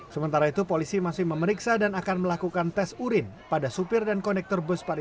sementara itu polisi masih memeriksa dan akan melakukan tes urin pada supir dan konektor bus pari